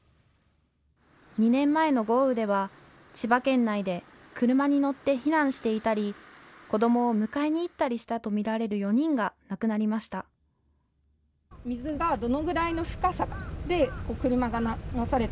２年前の豪雨では、千葉県内で車に乗って避難していたり子どもを迎えに行ったりしたとみられる４人が亡くなりました。